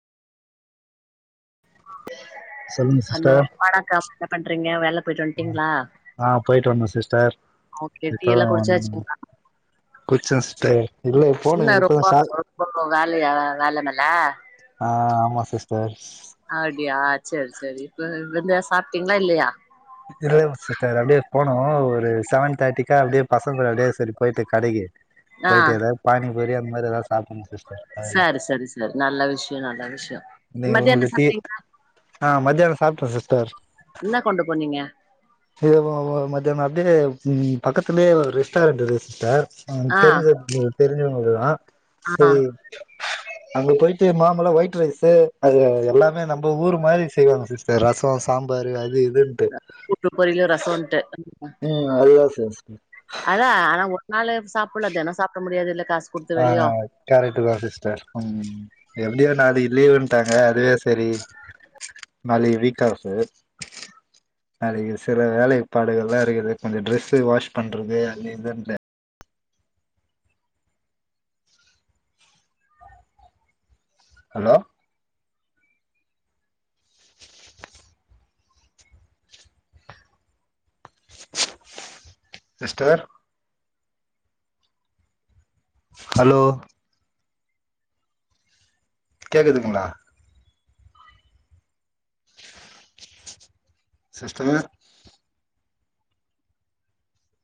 சொல்லுங்க hello sister வணக்கம் என்ன பண்றிங்க வேல பொயிட்டு வந்ட்டிங்ளா ஆ பொயிட்டு வந்தோ சிஸ்டர் டீ எல்லா இப்பதா வந்தோ குடிச்சாச்சுங்களா புடிச்ச சிஸ்டர் இல்ல ஏ போன இப்பதா சார் இவ்வள்ளோ வேலையா வேலைமெல்ல ஆ ஆமா சிஸ்டர் அப்டியா செரி செரி இப்ப வந்து சாப்டிங்ளா இல்லையா இல்லம் சிஸ்டர் அப்டியே போனூ ஒரு செவன் தேட்டிக்கா அப்டியே பசங்க கூட அப்டியே சரி பொயிட்டு கடைக்கி ஆ பொயிட்டு எதா பானி பூரி அந்த மாரி எதா சாப்புட்ணு சிஸ்டர் அதெல்லா சரி சரி சரி நல்ல விஷயொ நல்ல விஷயொ நீங்க மத்தியானோ உங்களுக்கு டீ சாப்டீங்ளா ஆ மதியானோ சாப்ட சிஸ்டர் என்ன கொண்டு போனீங்க இது ஒ ஒ மதியானோ அப்டியே ம் பக்கத்துலயே ஒரு ரெஸ்டாரெண்ட் இருக்கு சிஸ்டர் ஆ தெரிஞ்ச தெரிஞ்சவங்கள்துதா சே [inaudible] அங்க பொயிட்டு மாமலா ஒயிட் ரைஸு அது எல்லாமே நம்ப ஊர் மாரி செய்வாங்க சிஸ் டர் ரசோ சாம்பாரு அது இதுன்ட் கூட்டு பொரியலு ரசோன்ட்டு உம் அதேதா சிஸ் அதா ஆனா ஒரு நாளு சாப்புட்லா தெனோ சாப்ட முடியாதுல்ல காசு குடுத்து ஆ வெளியோ கரெட்டுதா சிஸ்டர் ம் எப்டியோ நாளைக்கி லீவுன்டாங்க அதுவே சரி நாளைக்கி வீக் ஆஃபு நாளைக்கி சில வேலைப்பாடுகள்லா இருக்குது கொஞ்சொ ட்ரெஸ்ஷு வாஸ் பண்றது அது இதுன்னு ஹலோ சிஸ்டர் ஹலோ கேக்குதுங்ளா சிஸ்டர்